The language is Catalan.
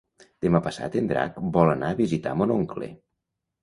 Demà passat en Drac vol anar a visitar mon oncle.